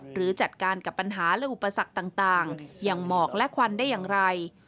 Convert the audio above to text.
หรือจัดการกับปัญหาและอุปสรรคต่างอย่างหมอกและควันได้อย่างไร